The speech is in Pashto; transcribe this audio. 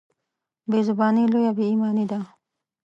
بېزباني لويه بېايماني ده.